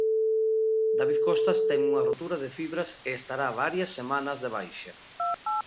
David Costas ten unha rotura de fibras e estará varias semanas de baixa.